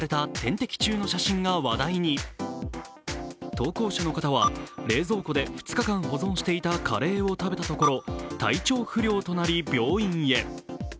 投稿者の方は冷蔵庫で２日間保存していたカレーを食べたところ、体調不良となり病院へ。